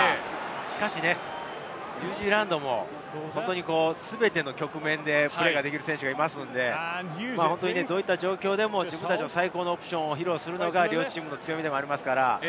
しかしニュージーランドも全ての局面でプレーができる選手がいますので、どういった状況でも最高のオプションを披露するのが両チームの強みでもあります。